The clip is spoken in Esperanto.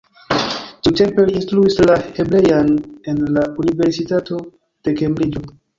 Tiutempe li instruis la hebrean en la Universitato de Kembriĝo.